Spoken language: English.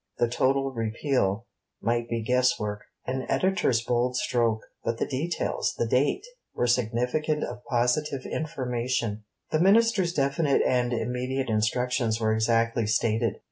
The 'Total Repeal' might be guess work an Editor's bold stroke; but the details, the date, were significant of positive information. The Minister's definite and immediate instructions were exactly stated.